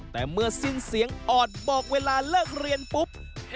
แต่เมื่อสิ้นเสียงออดบอกเวลาเลิกเรียนปุ๊บ